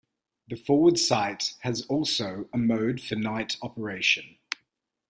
The forward sight has also a mode for night operation.